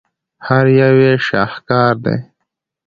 هر یو یې یو شاهکار دی.